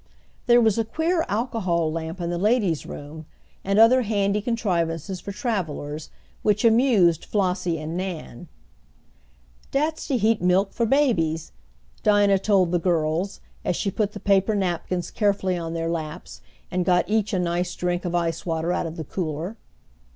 There was a queer alcohol lamp in the ladies room, and other handy contrivances for travelers, which amused Flossie and Nan. "Dat's to heat milk fo' babies," Dinah told the girls, as she put the paper napkins carefully on their laps, and got each a nice drink of icewater out of the cooler.